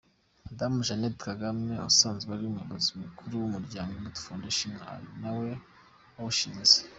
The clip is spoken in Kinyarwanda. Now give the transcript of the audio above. Madame Jeannette Kagame asanzwe ari umuyobozi mukuru w’umuryango Imbuto Foundation, ari nawe wawushinze.